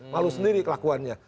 malu sendiri kelakuannya